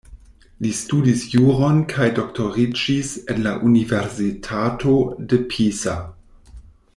Li studis juron kaj doktoriĝis en la Universitato de Pisa.